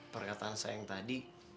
perkataan sayang tadi